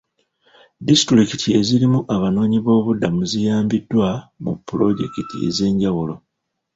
Disitulikiti ezirimu abanoonyiboobubudamu ziyambiddwa mu pulojekiti ez'enjawulo.